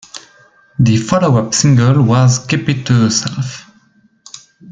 The follow-up single was "Keep It To Yourself".